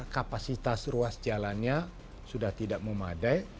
kapasitas ruas jalannya sudah tidak memadai